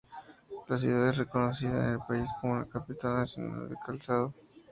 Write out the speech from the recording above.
La ciudad es reconocida en el país como la Capital Nacional del Calzado.